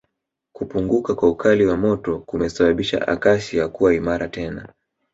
Kupunguka kwa ukali wa moto kumesababisha Acacia kuwa imara tena